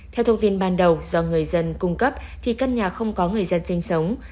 theo thông tin ban đầu do người dân cung cấp thì căn nhà không có người dân sinh sống